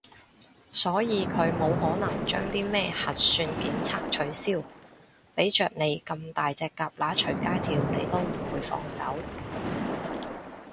所以佢冇可能將啲咩核算檢測取消，畀着你咁大隻蛤乸隨街跳你都唔會放手